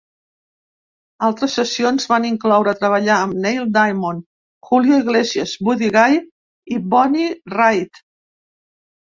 Altres sessions van incloure treballar amb Neil Diamond, Julio Iglesias, Buddy Guy i Bonnie Raitt.